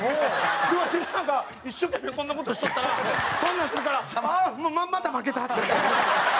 わしなんか一生懸命こんな事しとったらそんなんするから「ああまた負けた」っつって。